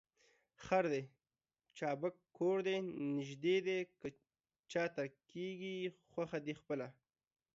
خر دي چابک کور دي نژدې دى ، که پاته کېږې خوښه دي خپله.